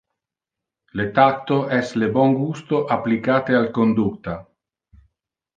Le tacto es le bon gusto applicate al conducta.